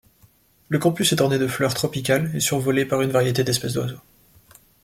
Le campus est orné de fleurs tropicales et survolé par une variété d'espèces d'oiseaux.